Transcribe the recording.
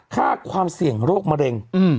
ค่าความเสี่ยงโรคมะเร็ง